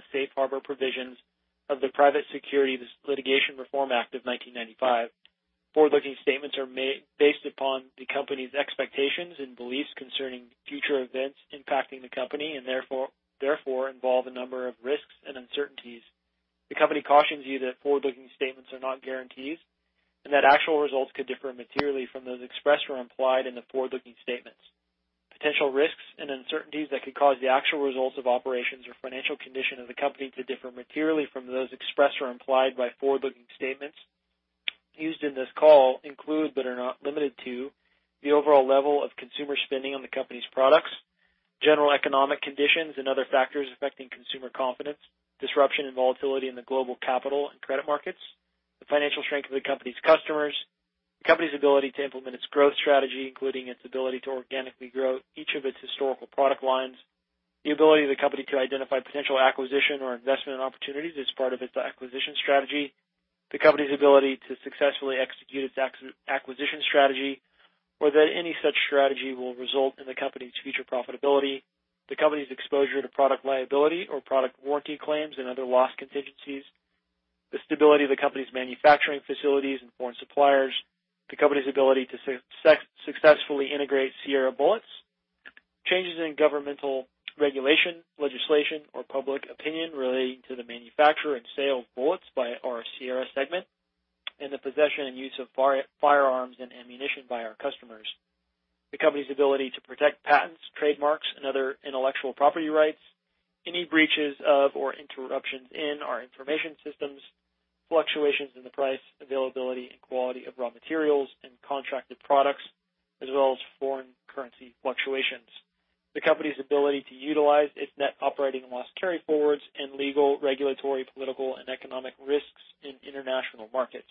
Meaning of the safe harbor provisions of the Private Securities Litigation Reform Act of 1995. Forward-looking statements are based upon the company's expectations and beliefs concerning future events impacting the company, and therefore involve a number of risks and uncertainties. The company cautions you that forward-looking statements are not guarantees and that actual results could differ materially from those expressed or implied in the forward-looking statements. Potential risks and uncertainties that could cause the actual results of operations or financial condition of the company to differ materially from those expressed or implied by forward-looking statements used in this call include, but are not limited to, the overall level of consumer spending on the company's products, general economic conditions and other factors affecting consumer confidence, disruption and volatility in the global capital and credit markets, the financial strength of the company's customers, the company's ability to implement its growth strategy, including its ability to organically grow each of its historical product lines. The ability of the company to identify potential acquisition or investment opportunities as part of its acquisition strategy, the company's ability to successfully execute its acquisition strategy, whether any such strategy will result in the company's future profitability, the company's exposure to product liability or product warranty claims and other loss contingencies, the stability of the company's manufacturing facilities and foreign suppliers, the company's ability to successfully integrate Sierra Bullets. Changes in governmental regulation, legislation or public opinion relating to the manufacture and sale of bullets by our Sierra segment, and the possession and use of firearms and ammunition by our customers, the company's ability to protect patents, trademarks, and other intellectual property rights, any breaches of or interruptions in our information systems, fluctuations in the price, availability, and quality of raw materials and contracted products, as well as foreign currency fluctuations, the company's ability to utilize its net operating loss carryforwards in legal, regulatory, political, and economic risks in international markets.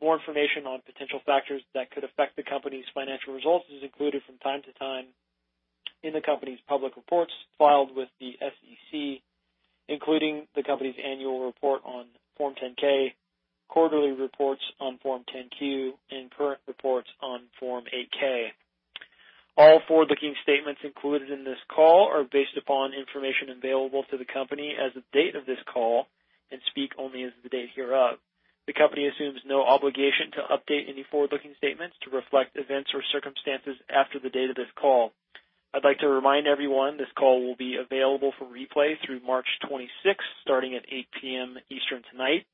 More information on potential factors that could affect the company's financial results is included from time to time in the company's public reports filed with the SEC, including the company's annual report on Form 10-K, quarterly reports on Form 10-Q, and current reports on Form 8-K. All forward-looking statements included in this call are based upon information available to the company as of date of this call and speak only as of the date hereof. The company assumes no obligation to update any forward-looking statements to reflect events or circumstances after the date of this call. I'd like to remind everyone this call will be available for replay through March 26th, starting at 8:00 P.M. Eastern tonight.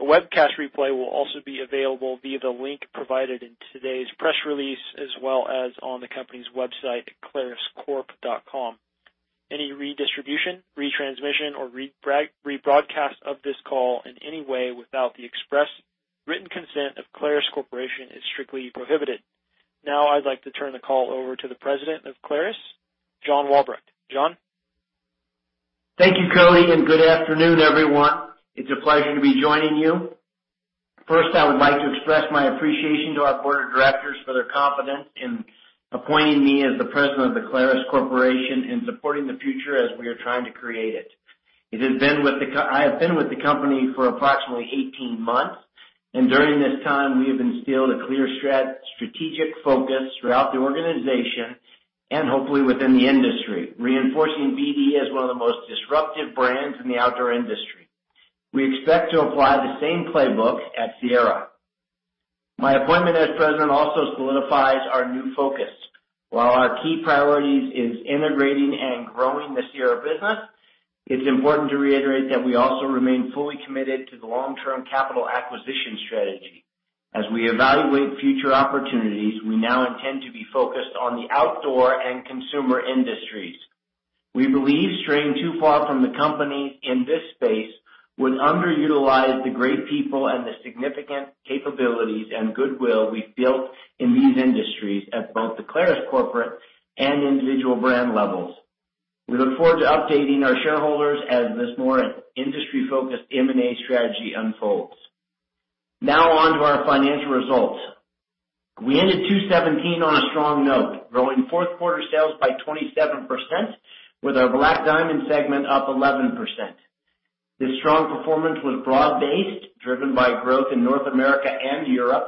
A webcast replay will also be available via the link provided in today's press release as well as on the company's website at claruscorp.com. Any redistribution, retransmission, or rebroadcast of this call in any way without the express written consent of Clarus Corporation is strictly prohibited. I'd like to turn the call over to the President of Clarus, John Walbrecht. John? Thank you, Cody. Good afternoon, everyone. It's a pleasure to be joining you. First, I would like to express my appreciation to our board of directors for their confidence in appointing me as the President of the Clarus Corporation and supporting the future as we are trying to create it. I have been with the company for approximately 18 months. During this time we have instilled a clear strategic focus throughout the organization and hopefully within the industry, reinforcing BD as one of the most disruptive brands in the outdoor industry. We expect to apply the same playbook at Sierra. My appointment as president also solidifies our new focus. While our key priorities is integrating and growing the Sierra business, it's important to reiterate that we also remain fully committed to the long-term capital acquisition strategy. As we evaluate future opportunities, we now intend to be focused on the outdoor and consumer industries. We believe straying too far from the company in this space would underutilize the great people and the significant capabilities and goodwill we've built in these industries at both the Clarus Corporation and individual brand levels. We look forward to updating our shareholders as this more industry-focused M&A strategy unfolds. On to our financial results. We ended 2017 on a strong note, growing fourth quarter sales by 27%, with our Black Diamond segment up 11%. This strong performance was broad-based, driven by growth in North America and Europe,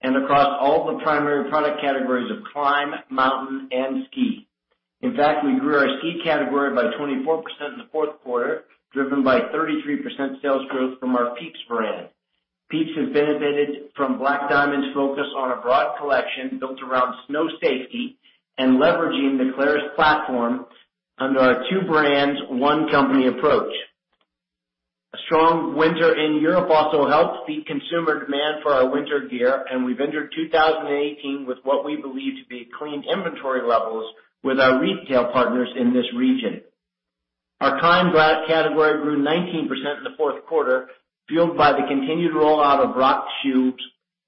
and across all the primary product categories of climb, mountain, and ski. In fact, we grew our ski category by 24% in the fourth quarter, driven by 33% sales growth from our PIEPS brand. PIEPS has benefited from Black Diamond's focus on a broad collection built around snow safety and leveraging the Clarus platform under our two brands, one company approach. A strong winter in Europe also helped feed consumer demand for our winter gear, and we've entered 2018 with what we believe to be clean inventory levels with our retail partners in this region. Our climb category grew 19% in the fourth quarter, fueled by the continued rollout of rock shoes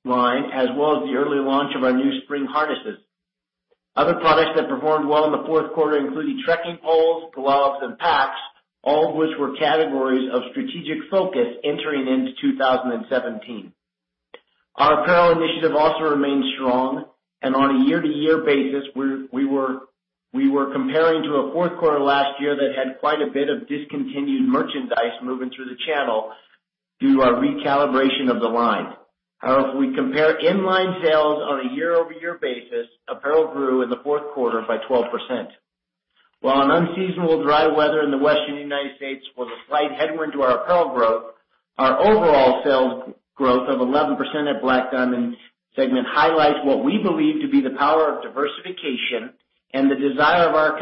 line as well as the early launch of our new spring harnesses. Other products that performed well in the fourth quarter included trekking poles, gloves, and packs, all of which were categories of strategic focus entering into 2017. Our apparel initiative also remains strong, and on a year-to-year basis, we were comparing to a fourth quarter last year that had quite a bit of discontinued merchandise moving through the channel. Due to our recalibration of the line. However, if we compare in-line sales on a year-over-year basis, apparel grew in the fourth quarter by 12%. While an unseasonal dry weather in the Western U.S. was a slight headwind to our apparel growth, our overall sales growth of 11% at Black Diamond segment highlights what we believe to be the power of diversification and the desire of our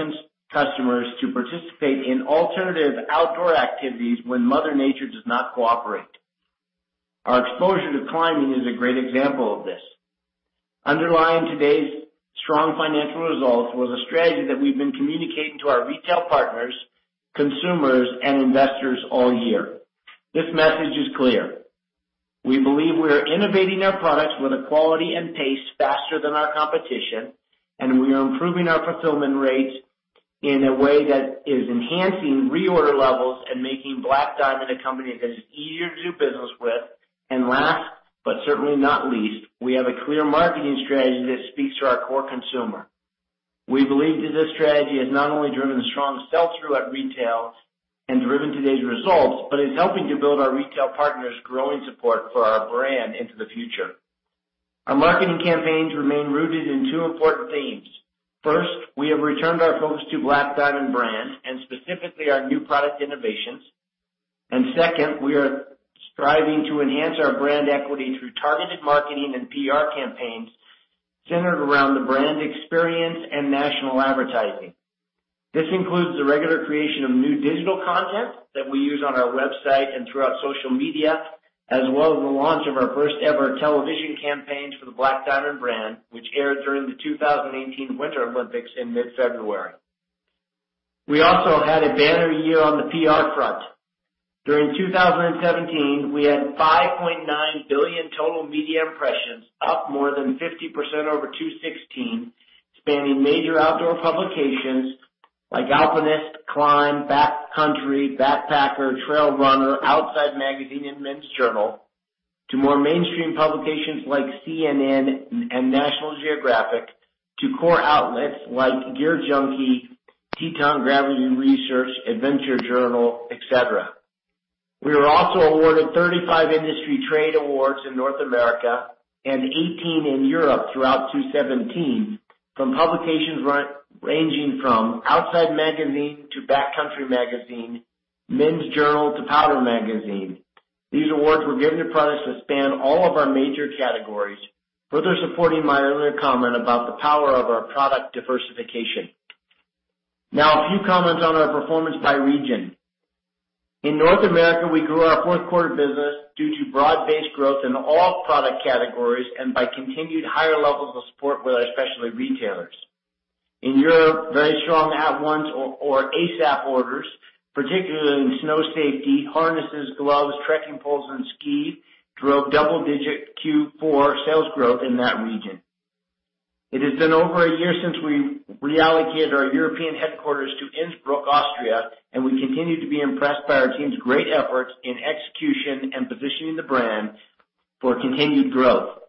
customers to participate in alternative outdoor activities when Mother Nature does not cooperate. Our exposure to climbing is a great example of this. Underlying today's strong financial results was a strategy that we've been communicating to our retail partners, consumers, and investors all year. This message is clear. We believe we are innovating our products with a quality and pace faster than our competition, and we are improving our fulfillment rates in a way that is enhancing reorder levels and making Black Diamond a company that is easier to do business with, and last but certainly not least, we have a clear marketing strategy that speaks to our core consumer. We believe that this strategy has not only driven strong sell-through at retail and driven today's results, but is helping to build our retail partners' growing support for our brand into the future. Our marketing campaigns remain rooted in two important themes. First, we have returned our focus to Black Diamond brand and specifically our new product innovations. Second, we are striving to enhance our brand equity through targeted marketing and PR campaigns centered around the brand experience and national advertising. This includes the regular creation of new digital content that we use on our website and throughout social media, as well as the launch of our first-ever television campaign for the Black Diamond brand, which aired during the 2018 Winter Olympics in mid-February. We also had a banner year on the PR front. During 2017, we had 5.9 billion total media impressions, up more than 50% over 2016, spanning major outdoor publications like Alpinist, Climb, Backcountry, Backpacker, Trail Runner, Outside Magazine, and Men's Journal, to more mainstream publications like CNN and National Geographic, to core outlets like GearJunkie, Teton Gravity Research, Adventure Journal, etc. We were also awarded 35 industry trade awards in North America and 18 in Europe throughout 2017 from publications ranging from Outside Magazine to Backcountry Magazine, Men's Journal to Powder Magazine. These awards were given to products that span all of our major categories, further supporting my earlier comment about the power of our product diversification. Now, a few comments on our performance by region. In North America, we grew our fourth quarter business due to broad-based growth in all product categories and by continued higher levels of support with our specialty retailers. In Europe, very strong at-once or ASAP orders, particularly in snow safety, harnesses, gloves, trekking poles, and ski, drove double-digit Q4 sales growth in that region. It has been over a year since we reallocated our European headquarters to Innsbruck, Austria. We continue to be impressed by our team's great efforts in execution and positioning the brand for continued growth.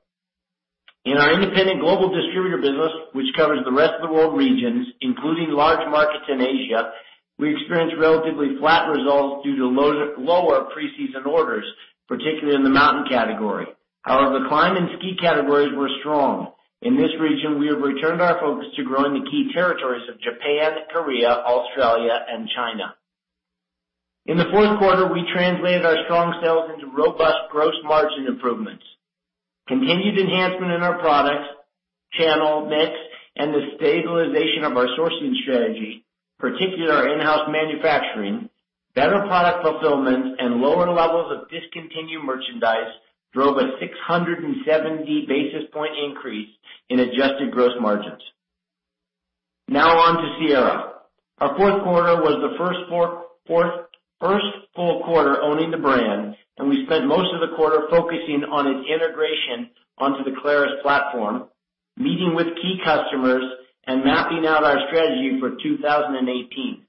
In our independent global distributor business, which covers the rest-of-the-world regions, including large markets in Asia, we experienced relatively flat results due to lower pre-season orders, particularly in the mountain category. However, climb and ski categories were strong. In this region, we have returned our focus to growing the key territories of Japan, Korea, Australia, and China. In the fourth quarter, we translated our strong sales into robust gross margin improvements. Continued enhancement in our products, channel mix, and the stabilization of our sourcing strategy, particularly our in-house manufacturing, better product fulfillment, and lower levels of discontinued merchandise drove a 670 basis point increase in adjusted gross margins. Now on to Sierra. Our fourth quarter was the first full quarter owning the brand. We spent most of the quarter focusing on its integration onto the Clarus platform, meeting with key customers, and mapping out our strategy for 2018.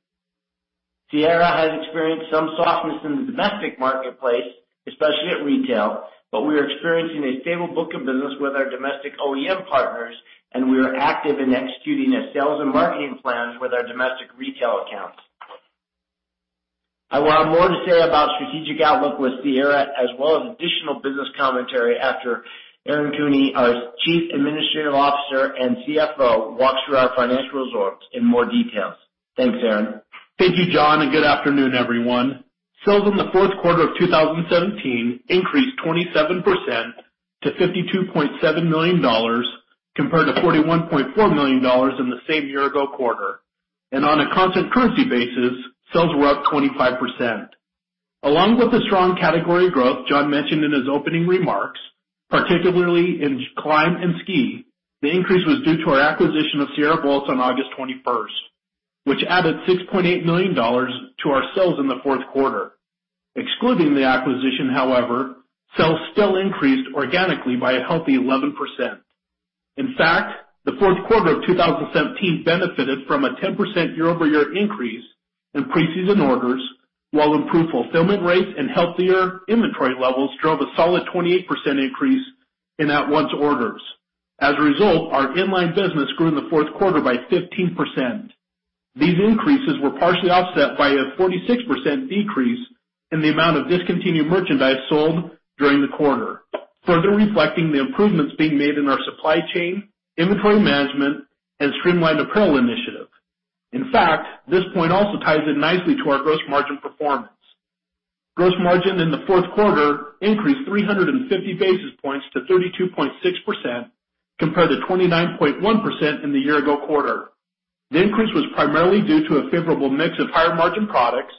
Sierra has experienced some softness in the domestic marketplace, especially at retail. We are experiencing a stable book of business with our domestic OEM partners, and we are active in executing a sales and marketing plans with our domestic retail accounts. I will have more to say about strategic outlook with Sierra as well as additional business commentary after Aaron Kuehne, our Chief Administrative Officer and CFO, walks through our financial results in more details. Thanks, Aaron. Thank you, John, and good afternoon, everyone. Sales in the fourth quarter of 2017 increased 27% to $52.7 million, compared to $41.4 million in the same year-ago quarter. On a constant currency basis, sales were up 25%. Along with the strong category growth John mentioned in his opening remarks, particularly in climb and ski, the increase was due to our acquisition of Sierra Bullets on August 21st, which added $6.8 million to our sales in the fourth quarter. Excluding the acquisition, however, sales still increased organically by a healthy 11%. In fact, the fourth quarter of 2017 benefited from a 10% year-over-year increase in pre-season orders, while improved fulfillment rates and healthier inventory levels drove a solid 28% increase in at-once orders. As a result, our in-line business grew in the fourth quarter by 15%. These increases were partially offset by a 46% decrease in the amount of discontinued merchandise sold during the quarter, further reflecting the improvements being made in our supply chain, inventory management, and streamlined apparel initiative. In fact, this point also ties in nicely to our gross margin performance. Gross margin in the fourth quarter increased 350 basis points to 32.6%, compared to 29.1% in the year-ago quarter. The increase was primarily due to a favorable mix of higher-margin products,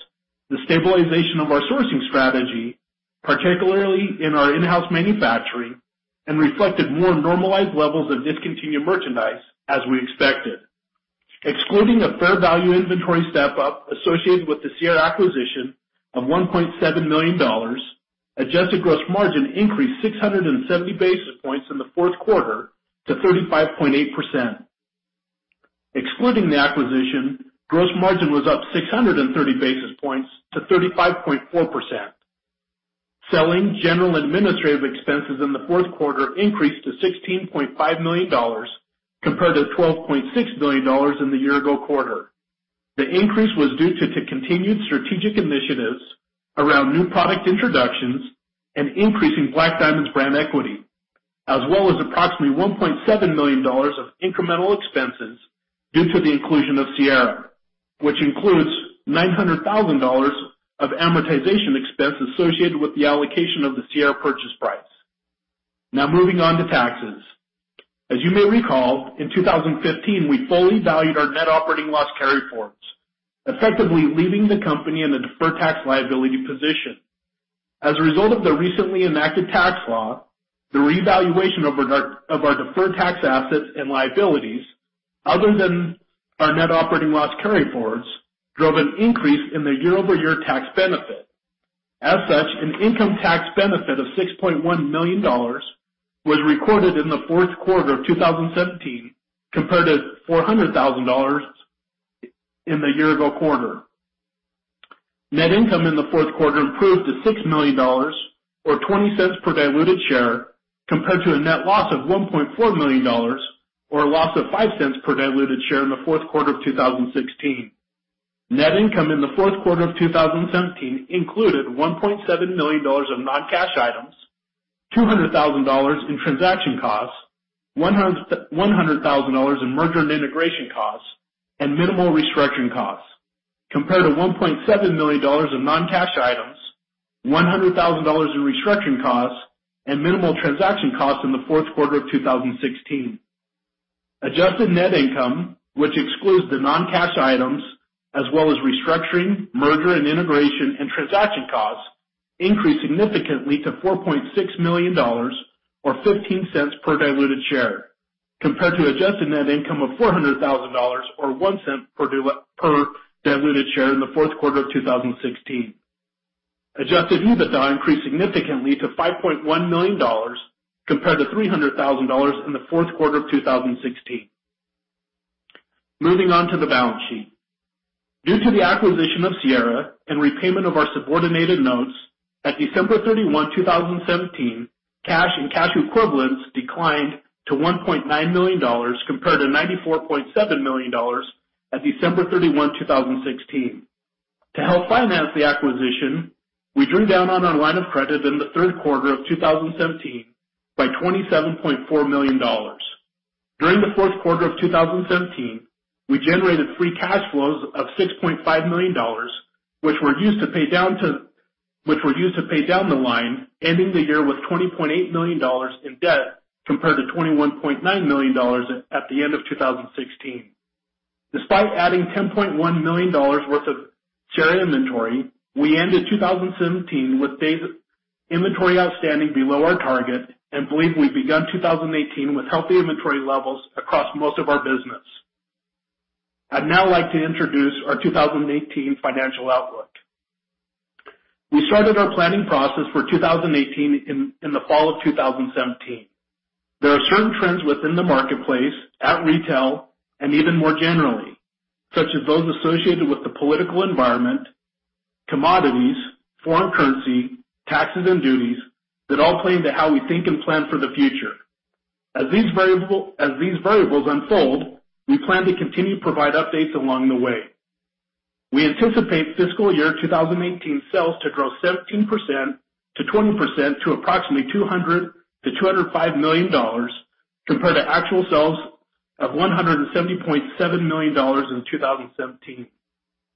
the stabilization of our sourcing strategy, particularly in our in-house manufacturing, and reflected more normalized levels of discontinued merchandise as we expected. Excluding a fair value inventory step-up associated with the Sierra acquisition of $1.7 million, adjusted gross margin increased 670 basis points in the fourth quarter to 35.8%. Excluding the acquisition, gross margin was up 630 basis points to 35.4%. Selling, general, and administrative expenses in the fourth quarter increased to $16.5 million compared to $12.6 million in the year-ago quarter. The increase was due to continued strategic initiatives around new product introductions and increasing Black Diamond's brand equity, as well as approximately $1.7 million of incremental expenses due to the inclusion of Sierra, which includes $900,000 of amortization expense associated with the allocation of the Sierra purchase price. Now, moving on to taxes. As you may recall, in 2015, we fully valued our net operating loss carryforwards, effectively leaving the company in a deferred tax liability position. As a result of the recently enacted tax law, the revaluation of our deferred tax assets and liabilities, other than our net operating loss carryforwards, drove an increase in the year-over-year tax benefit. As such, an income tax benefit of $6.1 million was recorded in the fourth quarter of 2017, compared to $400,000 in the year-ago quarter. Net income in the fourth quarter improved to $6 million, or $0.20 per diluted share, compared to a net loss of $1.4 million, or a loss of $0.05 per diluted share in the fourth quarter of 2016. Net income in the fourth quarter of 2017 included $1.7 million of non-cash items, $200,000 in transaction costs, $100,000 in merger and integration costs, and minimal restructuring costs, compared to $1.7 million of non-cash items, $100,000 in restructuring costs, and minimal transaction costs in the fourth quarter of 2016. Adjusted net income, which excludes the non-cash items as well as restructuring, merger and integration, and transaction costs, increased significantly to $4.6 million, or $0.15 per diluted share, compared to adjusted net income of $400,000 or $0.01 per diluted share in the fourth quarter of 2016. Adjusted EBITDA increased significantly to $5.1 million compared to $300,000 in the fourth quarter of 2016. Moving on to the balance sheet. Due to the acquisition of Sierra and repayment of our subordinated notes, at December 31, 2017, cash and cash equivalents declined to $1.9 million compared to $94.7 million at December 31, 2016. To help finance the acquisition, we drew down on our line of credit in the third quarter of 2017 by $27.4 million. During the fourth quarter of 2017, we generated free cash flows of $6.5 million, which were used to pay down the line ending the year with $20.8 million in debt, compared to $21.9 million at the end of 2016. Despite adding $10.1 million worth of Sierra inventory, we ended 2017 with days inventory outstanding below our target and believe we've begun 2018 with healthy inventory levels across most of our business. I'd now like to introduce our 2018 financial outlook. We started our planning process for 2018 in the fall of 2017. There are certain trends within the marketplace, at retail, and even more generally, such as those associated with the political environment, commodities, foreign currency, taxes, and duties, that all play into how we think and plan for the future. As these variables unfold, we plan to continue to provide updates along the way. We anticipate fiscal year 2018 sales to grow 17%-20% to approximately $200 million to $205 million, compared to actual sales of $170.7 million in 2017.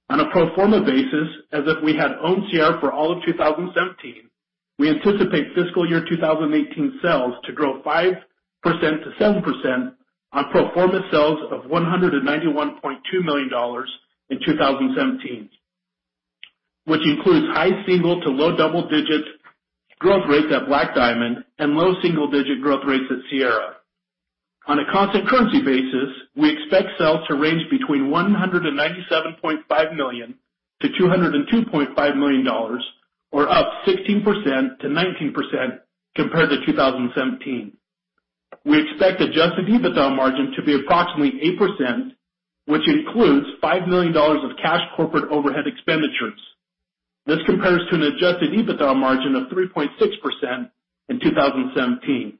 On a pro forma basis, as if we had owned Sierra for all of 2017, we anticipate fiscal year 2018 sales to grow 5%-7% on pro forma sales of $191.2 million in 2017, which includes high single to low double-digit growth rates at Black Diamond and low single-digit growth rates at Sierra. On a constant currency basis, we expect sales to range between $197.5 million to $202.5 million, or up 16%-19% compared to 2017. We expect adjusted EBITDA margin to be approximately 8%, which includes $5 million of cash corporate overhead expenditures. This compares to an adjusted EBITDA margin of 3.6% in 2017.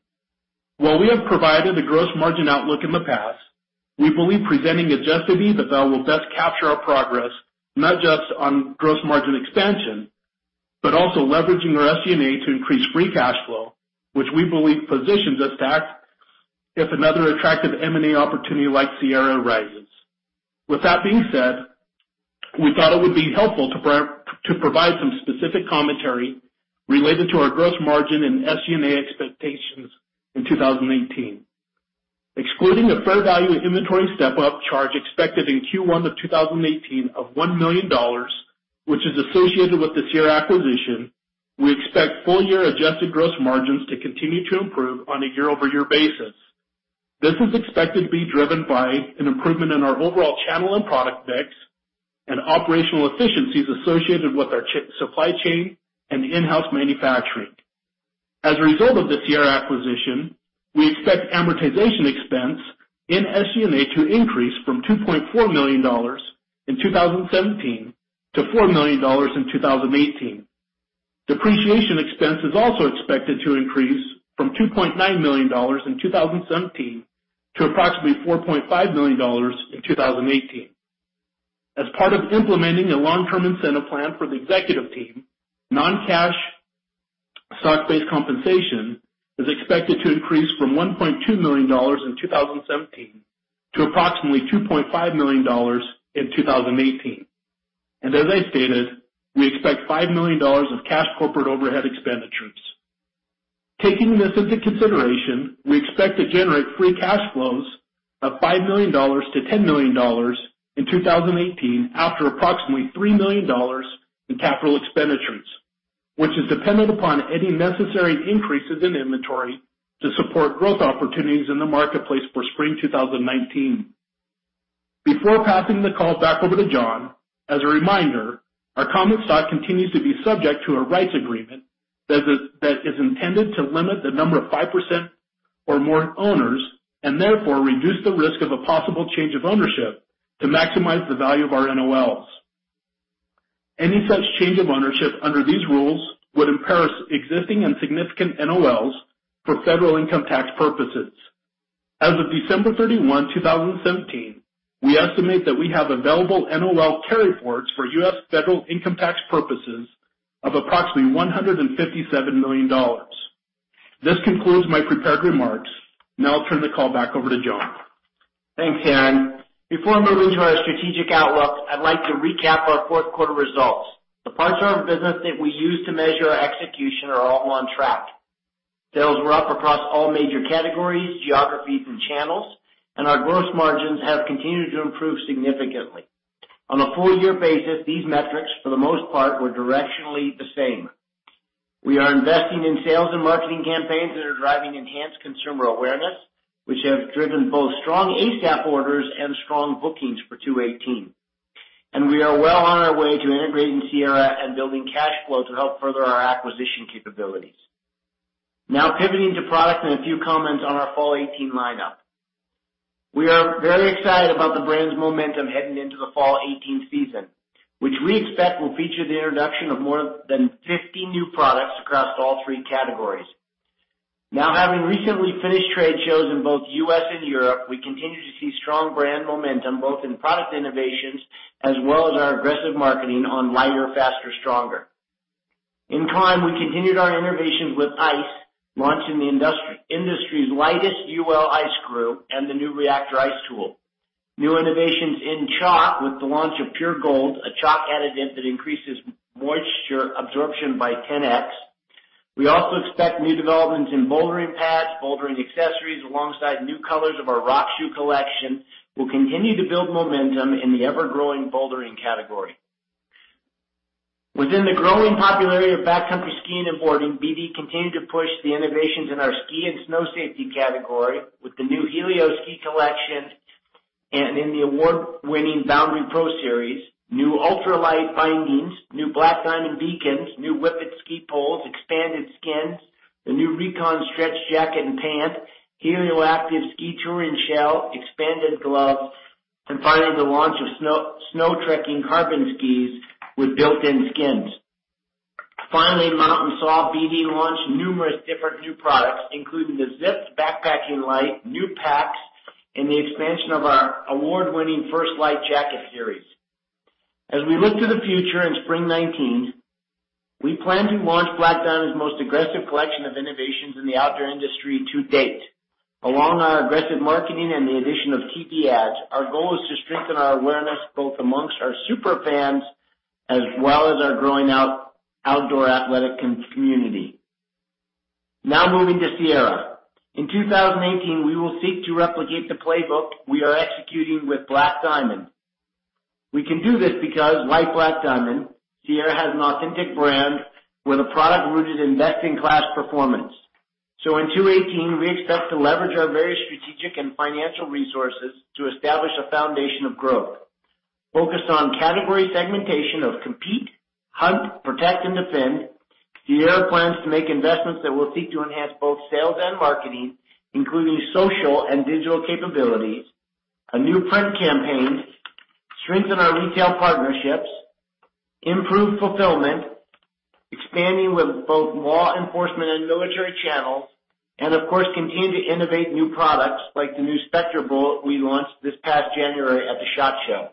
While we have provided the gross margin outlook in the past, we believe presenting adjusted EBITDA will best capture our progress, not just on gross margin expansion, but also leveraging our SG&A to increase free cash flow, which we believe positions us to act if another attractive M&A opportunity like Sierra rises. With that being said, we thought it would be helpful to provide some specific commentary related to our gross margin and SG&A expectations in 2018. Excluding a fair value inventory step-up charge expected in Q1 of 2018 of $1 million, which is associated with the Sierra acquisition, we expect full year adjusted gross margins to continue to improve on a year-over-year basis. This is expected to be driven by an improvement in our overall channel and product mix and operational efficiencies associated with our supply chain and in-house manufacturing. As a result of the Sierra acquisition, we expect amortization expense in SG&A to increase from $2.4 million in 2017 to $4 million in 2018. Depreciation expense is also expected to increase from $2.9 million in 2017 to approximately $4.5 million in 2018. As part of implementing a long-term incentive plan for the executive team, non-cash stock-based compensation is expected to increase from $1.2 million in 2017 to approximately $2.5 million in 2018. As I stated, we expect $5 million of cash corporate overhead expenditures. Taking this into consideration, we expect to generate free cash flows of $5 million-$10 million in 2018 after approximately $3 million in capital expenditures, which is dependent upon any necessary increases in inventory to support growth opportunities in the marketplace for spring 2019. Before passing the call back over to John, as a reminder, our common stock continues to be subject to a rights agreement that is intended to limit the number of 5% or more owners, and therefore reduce the risk of a possible change of ownership to maximize the value of our NOLs. Any such change of ownership under these rules would impair existing and significant NOLs for federal income tax purposes. As of December 31, 2017, we estimate that we have available NOL carryforwards for U.S. federal income tax purposes of approximately $157 million. This concludes my prepared remarks. I'll turn the call back over to John. Thanks, Aaron. Before moving to our strategic outlook, I'd like to recap our fourth quarter results. The parts of our business that we use to measure our execution are all on track. Sales were up across all major categories, geographies, and channels, our gross margins have continued to improve significantly. On a full-year basis, these metrics, for the most part, were directionally the same. We are investing in sales and marketing campaigns that are driving enhanced consumer awareness, which have driven both strong ASAP orders and strong bookings for 2018. We are well on our way to integrating Sierra and building cash flow to help further our acquisition capabilities. Now pivoting to product and a few comments on our fall 2018 lineup. We are very excited about the brand's momentum heading into the fall 2018 season, which we expect will feature the introduction of more than 50 new products across all three categories. Now having recently finished trade shows in both U.S. and Europe, we continue to see strong brand momentum, both in product innovations as well as our aggressive marketing on lighter, faster, stronger. In climb, we continued our innovations with ice, launching the industry's lightest Ultralight Ice Screw and the new Reactor Ice Tool. New innovations in chalk with the launch of Pure Gold, a chalk additive that increases moisture absorption by 10x. We also expect new developments in bouldering pads, bouldering accessories, alongside new colors of our rock shoe collection, will continue to build momentum in the ever-growing bouldering category. Within the growing popularity of backcountry skiing and boarding, BD continued to push the innovations in our ski and snow safety category with the new Helio Ski Collection and in the award-winning Boundary Pro Series, new ultralight bindings, new Black Diamond beacons, new Whippet ski poles, expanded skins, the new Recon stretch jacket and pant, Helio Active Shell, expanded gloves, and finally, the launch of snow trekking carbon skis with built-in skins. Finally, Snow Saw Pro, BD launched numerous different new products, including the Zip backpacking light, new packs, and the expansion of our award-winning First Light jacket series. As we look to the future in spring 2019, we plan to launch Black Diamond's most aggressive collection of innovations in the outdoor industry to date. Along our aggressive marketing and the addition of TV ads, our goal is to strengthen our awareness both amongst our super fans as well as our growing outdoor athletic community. Moving to Sierra. In 2018, we will seek to replicate the playbook we are executing with Black Diamond. We can do this because, like Black Diamond, Sierra has an authentic brand with a product rooted in best-in-class performance. In 2018, we expect to leverage our various strategic and financial resources to establish a foundation of growth. Focused on category segmentation of compete, hunt, protect, and defend, Sierra plans to make investments that will seek to enhance both sales and marketing, including social and digital capabilities, a new print campaign, strengthen our retail partnerships, improve fulfillment, expanding with both law enforcement and military channels, and of course, continue to innovate new products like the new Spectra Bullet we launched this past January at the SHOT Show.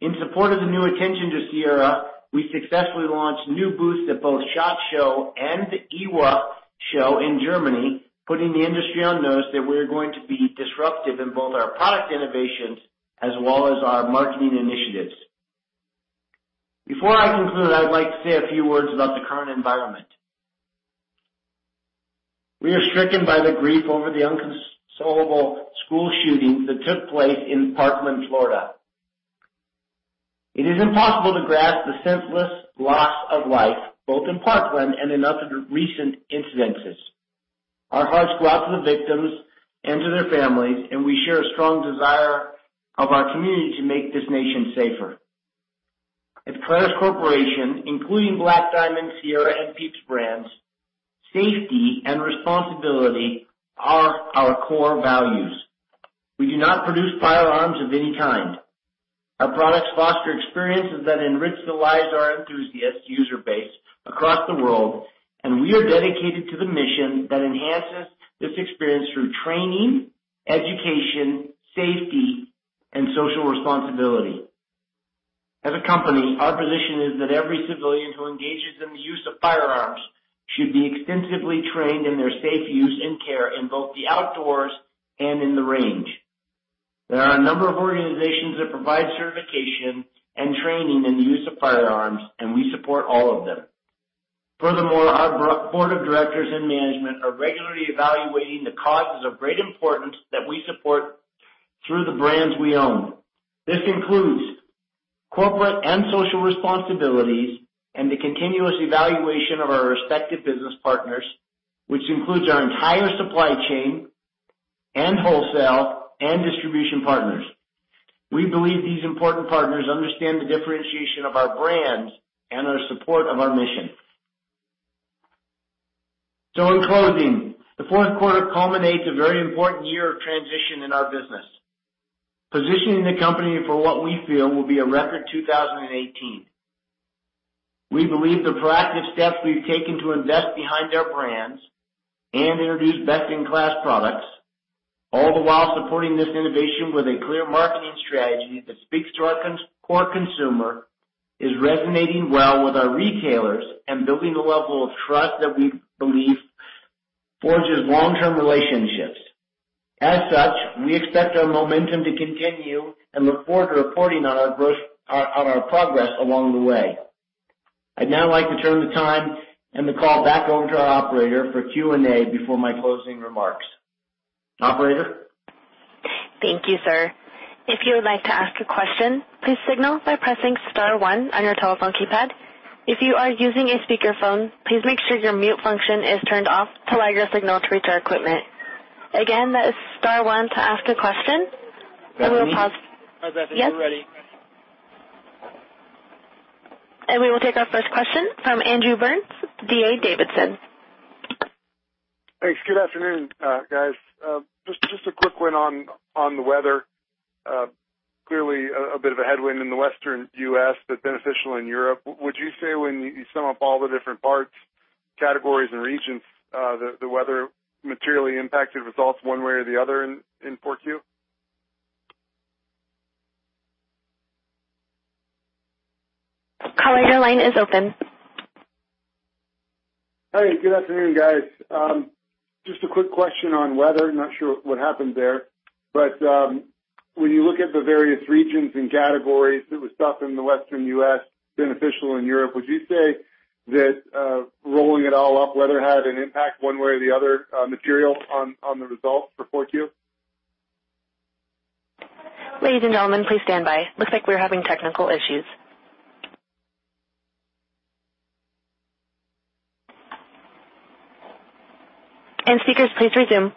In support of the new attention to Sierra, we successfully launched new booths at both SHOT Show and the IWA Show in Germany, putting the industry on notice that we're going to be disruptive in both our product innovations as well as our marketing initiatives. Before I conclude, I'd like to say a few words about the current environment. We are stricken by the grief over the inconsolable school shootings that took place in Parkland, Florida. It is impossible to grasp the senseless loss of life, both in Parkland and in other recent incidences. Our hearts go out to the victims and to their families, and we share a strong desire of our community to make this nation safer. At Clarus Corporation, including Black Diamond, Sierra, and PIEPS brands, safety and responsibility are our core values. We do not produce firearms of any kind. Our products foster experiences that enrich the lives of our enthusiast user base across the world, and we are dedicated to the mission that enhances this experience through training, education, safety, and social responsibility. As a company, our position is that every civilian who engages in the use of firearms should be extensively trained in their safe use and care in both the outdoors and in the range. There are a number of organizations that provide certification and training in the use of firearms, and we support all of them. Furthermore, our board of directors and management are regularly evaluating the causes of great importance that we support through the brands we own. This includes corporate and social responsibilities and the continuous evaluation of our respective business partners, which includes our entire supply chain and wholesale and distribution partners. We believe these important partners understand the differentiation of our brands and our support of our mission. In closing, the fourth quarter culminates a very important year of transition in our business, positioning the company for what we feel will be a record 2018. We believe the proactive steps we've taken to invest behind our brands and introduce best-in-class products, all the while supporting this innovation with a clear marketing strategy that speaks to our core consumer, is resonating well with our retailers and building a level of trust that we believe forges long-term relationships. As such, we expect our momentum to continue and look forward to reporting on our progress along the way. I'd now like to turn the time and the call back over to our operator for Q&A before my closing remarks. Operator? Thank you, sir. If you would like to ask a question, please signal by pressing star one on your telephone keypad. If you are using a speakerphone, please make sure your mute function is turned off to allow your signal to reach our equipment. Again, that is star one to ask a question. Bethany? Yes. Hi, Bethany. We're ready. We will take our first question from Andrew Burns, D.A. Davidson. Thanks. Good afternoon, guys. Just a quick one on the weather. Clearly, a bit of a headwind in the Western U.S., but beneficial in Europe. Would you say when you sum up all the different parts, categories, and regions, the weather materially impacted results one way or the other in 4Q? Caller, your line is open. Hi, good afternoon, guys. Just a quick question on weather. Not sure what happened there, but when you look at the various regions and categories, it was tough in the Western U.S., beneficial in Europe. Would you say that rolling it all up, weather had an impact one way or the other, material on the results for 4Q? Ladies and gentlemen, please stand by. Looks like we're having technical issues. Speakers, please resume.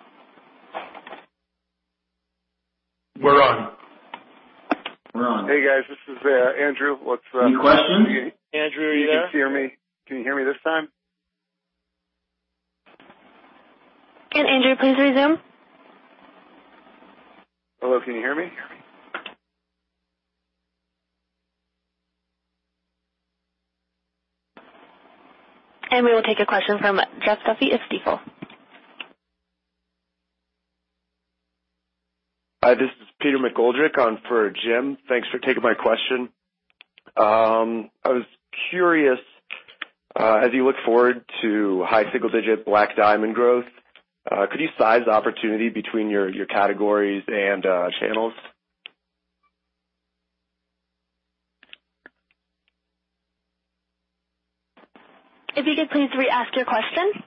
We're on. We're on. Hey, guys, this is Andrew. Any question? Andrew, are you there? You can hear me. Can you hear me this time? Can Andrew please resume? Hello, can you hear me? We will take a question from Jim Duffy of Stifel. Hi, this is Peter McGoldrick on for Jim. Thanks for taking my question. I was curious, as you look forward to high single-digit Black Diamond growth, could you size the opportunity between your categories and channels? If you could please re-ask your question. Hi,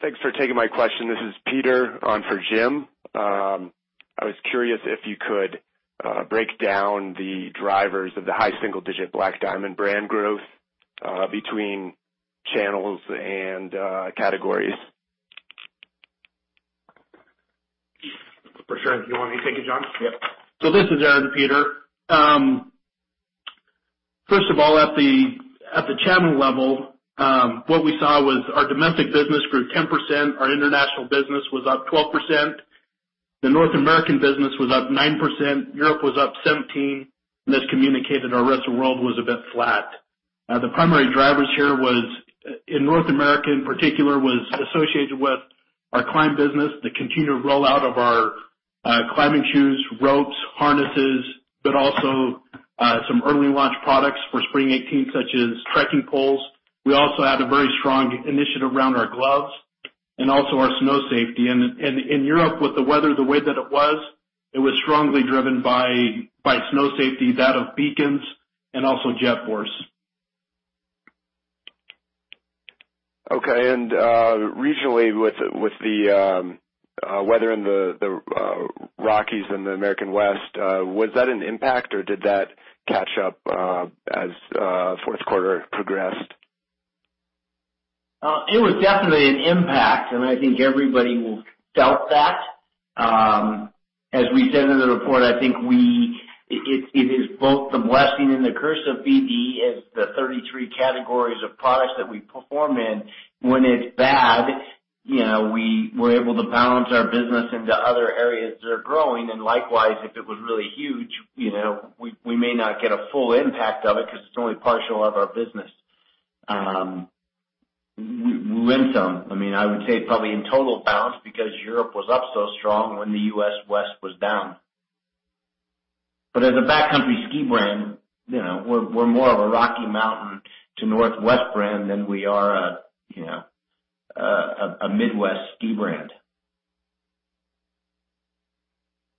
thanks for taking my question. This is Peter on for Jim. I was curious if you could break down the drivers of the high single-digit Black Diamond brand growth between channels and categories? For sure. Do you want me to take it, John? Yep. This is Aaron, Peter. At the channel level, what we saw was our domestic business grew 10%, our international business was up 12%, the North American business was up 9%, Europe was up 17%, and as communicated, our rest of the world was a bit flat. The primary drivers here was, in North America in particular, was associated with our climb business, the continued rollout of our climbing shoes, ropes, harnesses, but also some early launch products for spring 2018, such as trekking poles. We also had a very strong initiative around our gloves and also our snow safety. In Europe, with the weather the way that it was, it was strongly driven by snow safety, that of beacons and also JetForce. Okay. Regionally, with the weather in the Rockies and the American West, was that an impact, or did that catch up as fourth quarter progressed? It was definitely an impact, and I think everybody felt that. As we said in the report, I think it is both the blessing and the curse of BD is the 33 categories of products that we perform in. When it's bad, we're able to balance our business into other areas that are growing, and likewise, if it was really huge, we may not get a full impact of it because it's only partial of our business. We win some. I would say probably in total balance because Europe was up so strong when the U.S. West was down. As a backcountry ski brand, we're more of a Rocky Mountain to Northwest brand than we are a Midwest ski brand.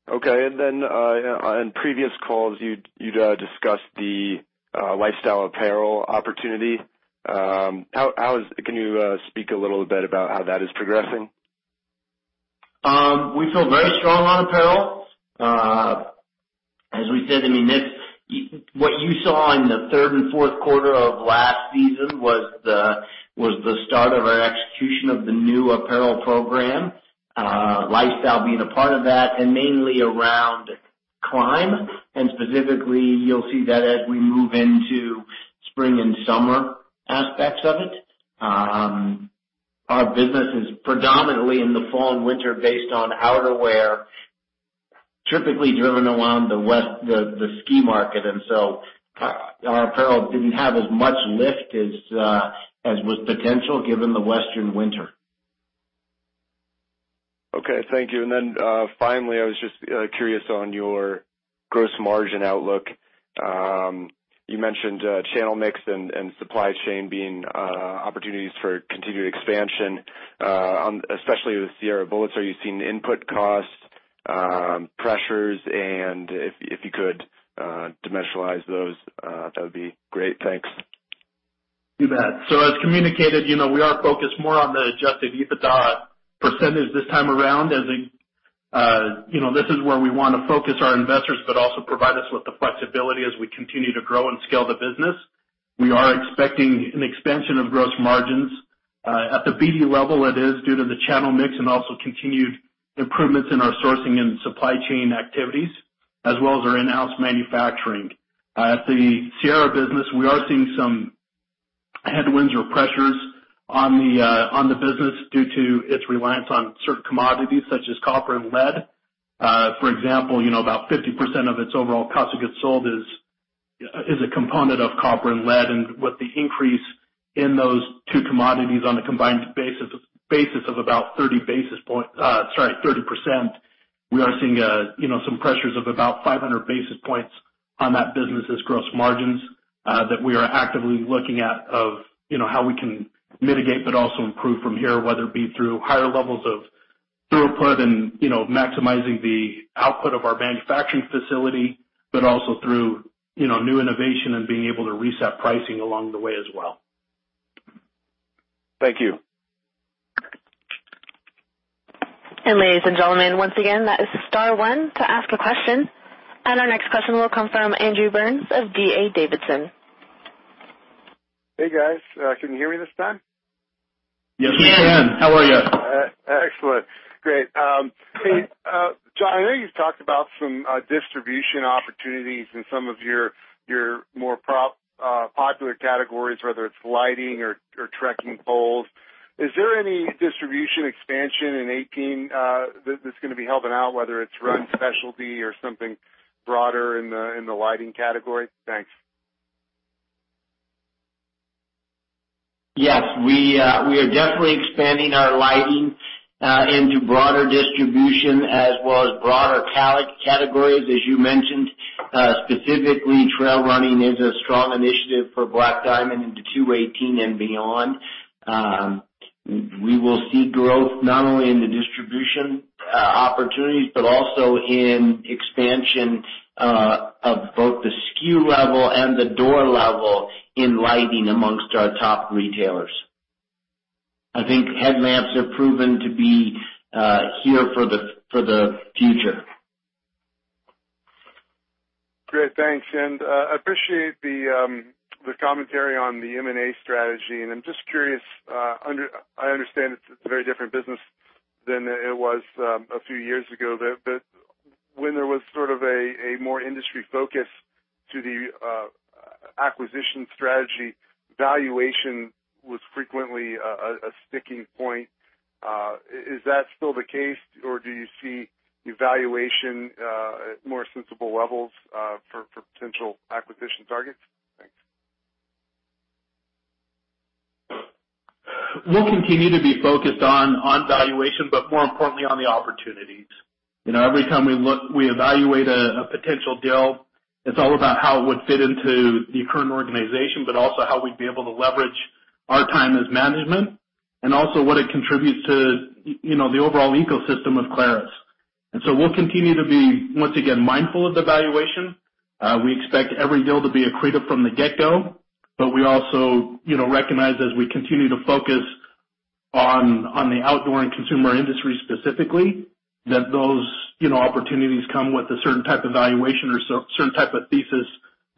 Okay. On previous calls, you'd discussed the lifestyle apparel opportunity. Can you speak a little bit about how that is progressing? We feel very strong on apparel. As we said, what you saw in the third and fourth quarter of last season was the start of our execution of the new apparel program, lifestyle being a part of that, and mainly around climb. Specifically, you'll see that as we move into spring and summer aspects of it. Our business is predominantly in the fall and winter based on outerwear, typically driven around the West, the ski market. Our apparel didn't have as much lift as was potential given the Western winter. Okay, thank you. Finally, I was just curious on your gross margin outlook. You mentioned channel mix and supply chain being opportunities for continued expansion, especially with Sierra Bullets. Are you seeing input costs, pressures, and if you could dimensionalize those, that would be great. Thanks. You bet. As communicated, we are focused more on the adjusted EBITDA percentage this time around, as in this is where we want to focus our investors, but also provide us with the flexibility as we continue to grow and scale the business. We are expecting an expansion of gross margins. At the BD level, it is due to the channel mix and also continued improvements in our sourcing and supply chain activities, as well as our in-house manufacturing. At the Sierra business, we are seeing some headwinds or pressures on the business due to its reliance on certain commodities such as copper and lead. For example, about 50% of its overall cost of goods sold is a component of copper and lead, and with the increase in those two commodities on a combined basis of about 30%. We are seeing some pressures of about 500 basis points on that business' gross margins that we are actively looking at of how we can mitigate, but also improve from here, whether it be through higher levels of throughput and maximizing the output of our manufacturing facility, but also through new innovation and being able to reset pricing along the way as well. Thank you. Ladies and gentlemen, once again, that is star one to ask a question. Our next question will come from Andrew Burns of D.A. Davidson. Hey, guys. Can you hear me this time? Yes, we can. How are you? Excellent. Great. Hey, John, I know you've talked about some distribution opportunities in some of your more popular categories, whether it's lighting or trekking poles. Is there any distribution expansion in 2018 that's going to be helping out, whether it's run specialty or something broader in the lighting category? Thanks. Yes. We are definitely expanding our lighting into broader distribution as well as broader categories, as you mentioned. Specifically, trail running is a strong initiative for Black Diamond into 2018 and beyond. We will see growth not only in the distribution opportunities, but also in expansion of both the SKU level and the door level in lighting amongst our top retailers. I think headlamps are proven to be here for the future. Great, thanks. I appreciate the commentary on the M&A strategy. I'm just curious. I understand it's a very different business than it was a few years ago. When there was sort of a more industry focus to the acquisition strategy, valuation was frequently a sticking point. Is that still the case, or do you see valuation at more sensible levels for potential acquisition targets? Thanks. We'll continue to be focused on valuation, but more importantly, on the opportunities. Every time we evaluate a potential deal, it's all about how it would fit into the current organization, but also how we'd be able to leverage our time as management and also what it contributes to the overall ecosystem of Clarus. We'll continue to be, once again, mindful of the valuation. We expect every deal to be accretive from the get-go, but we also recognize as we continue to focus on the outdoor and consumer industry specifically, that those opportunities come with a certain type of valuation or certain type of thesis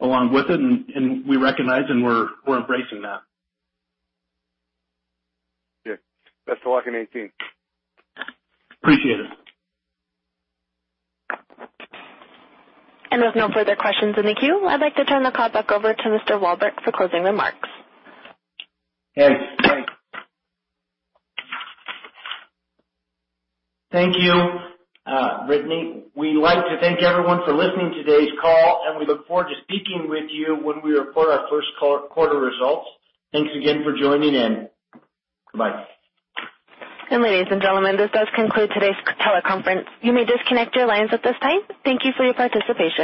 along with it, and we recognize and we're embracing that. Yeah. Best of luck in 2018. Appreciate it. There's no further questions in the queue. I'd like to turn the call back over to Mr. Walbrecht for closing remarks. Yes. Thanks. Thank you, Brittany. We'd like to thank everyone for listening to today's call. We look forward to speaking with you when we report our first quarter results. Thanks again for joining in. Goodbye. Ladies and gentlemen, this does conclude today's teleconference. You may disconnect your lines at this time. Thank you for your participation.